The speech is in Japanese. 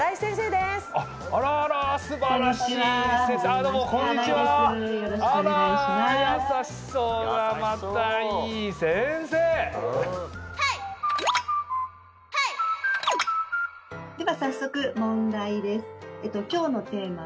では早速問題です。